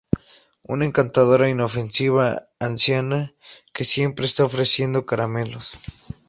Una encantadora e inofensiva anciana, que siempre está ofreciendo caramelos.